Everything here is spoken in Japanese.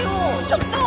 ちょっと！